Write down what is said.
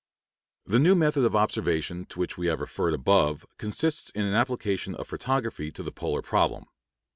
The new method of observation to which we have referred above consists in an application of photography to the polar problem.